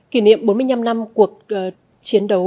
kỷ niệm bốn mươi năm năm cuộc chiến đấu